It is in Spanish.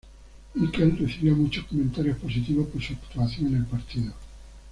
Mikel recibió muchos comentarios positivos por su actuación en el partido.